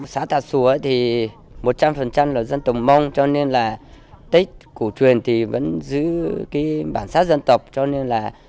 xã thạch sùa thì một trăm linh là dân tộc mông cho nên là tết cổ truyền thì vẫn giữ cái bản sát dân tộc cho nên là